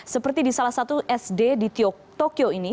seperti di salah satu sd di tokyo ini